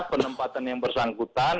penempatan yang bersangkutan